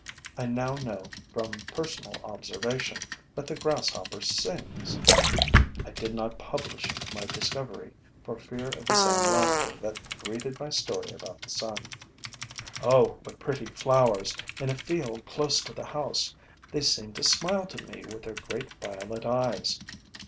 I now know, from personal observation, that the Grasshopper sings. I did not publish my discovery, for fear of the same laughter that greeted my story about the sun. Oh, what pretty flowers, in a field close to the house! They seem to smile to me with their great violet eyes.